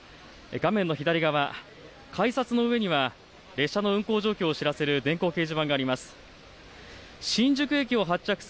画面の左側、改札の上には列車の運行状況を知らせる電光掲示板があります。